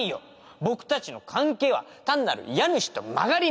僕たちの関係は単なる家主と間借り人